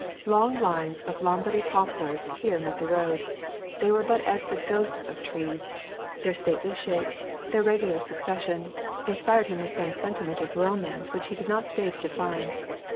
Long lines of Lombardy poplars here met the road. They were but as the ghosts of trees; their stately shape, their regular succession, inspired him with some sentiment of romance which he did not stay to define.